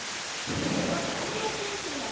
これは海洋研究なんだぞ！